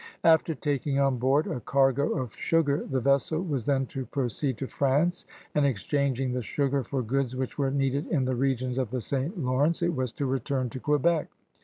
After taking on board a cargo of sugar, the vessel was then to proceed to France and, exchanging the sugar for goods which were needed in the r^ons of the St. Lawrence, it was to return to Quebec.